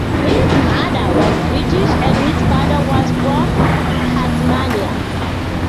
His mother was British and his father was from Tasmania.